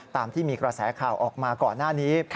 ตามที่มีกระแสข่าวออกมาก่อนหน้านี้